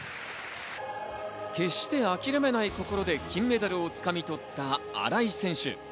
決して諦めない心で金メダルを掴み取った新井選手。